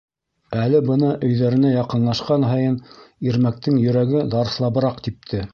...Әле бына өйҙәренә яҡынлашҡан һайын Ирмәктең йөрәге дарҫлабыраҡ типте.